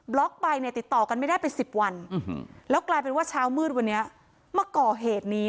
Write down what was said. ล็อกไปเนี่ยติดต่อกันไม่ได้เป็น๑๐วันแล้วกลายเป็นว่าเช้ามืดวันนี้มาก่อเหตุนี้